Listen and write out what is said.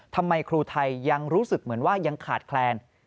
ทำไมครูไทยยังรู้สึกเหมือนว่ายังขาดแคลน